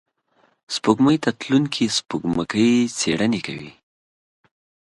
سپوږمۍ ته تلونکي سپوږمکۍ څېړنې کوي